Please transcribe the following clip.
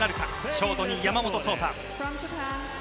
ショート２位、山本草太。